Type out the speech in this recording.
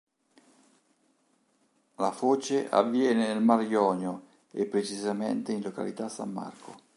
La foce avviene nel Mar Ionio e precisamente in località "San Marco".